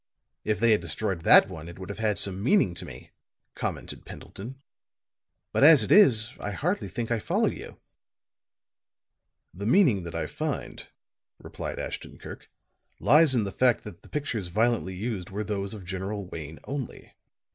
"If they had destroyed that one it would have had some meaning to me," commented Pendleton. "But, as it is, I hardly think I follow you." "The meaning that I find," replied Ashton Kirk, "lies in the fact that the pictures violently used were those of General Wayne only.